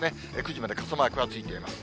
９時まで傘マークがついています。